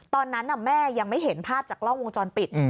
ตอนนั้นแม่ยังไม่เห็นภาพจากกล้องวงจรปิด